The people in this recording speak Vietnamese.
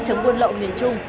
chấm quân lậu miền trung